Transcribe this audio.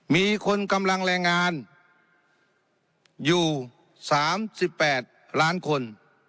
มีคนกำลังแรงงานอยู่สามสิบแปดล้านคน